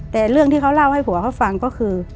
แต่เรื่องที่เขาเล่าให้ผัวเขาฟังก็คือ